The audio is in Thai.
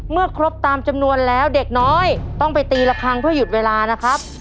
เมื่อครบตามจำนวนแล้วเด็กน้อยต้องไปตีละครั้งเพื่อหยุดเวลานะครับ